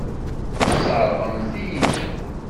Tesseṛɣemt-iyi-ten.